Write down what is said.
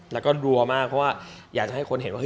แล้วก็กลัวมากเพราะว่าอยากจะให้คนเห็นว่า